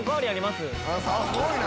すごいな！